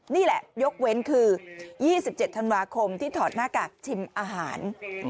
นี่แหละยกเว้นคือ๒๗ธันวาคมที่ถอดหน้ากากชิมอาหาร